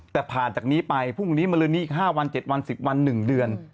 แต่ผ่านจากนี้ไปพรุ่งนี้มาลืนนี้อีก๕วัน๗วัน๑๐วัน๑เดือน